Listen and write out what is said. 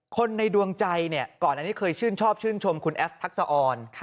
ในดวงใจเนี่ยก่อนอันนี้เคยชื่นชอบชื่นชมคุณแอฟทักษะออน